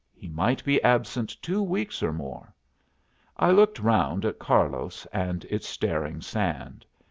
He might be absent two weeks or more. I looked round at Carlos and its staring sand.